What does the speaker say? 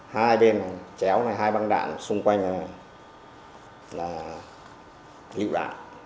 hai bên chéo này hai băng đạn xung quanh là lựu đạn